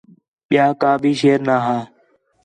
ٻِیا کا بھی شیر نا ہا